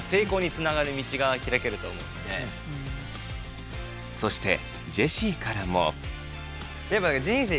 そしてジェシーからも。